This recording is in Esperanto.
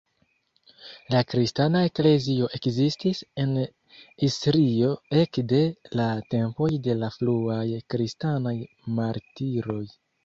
La kristana eklezio ekzistis en Istrio ekde la tempoj de la fruaj kristanaj martiroj.